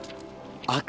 赤。